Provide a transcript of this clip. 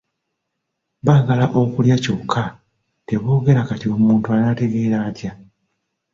Baagala okulya kyokka teboogera kati omuntu anaategeera atya?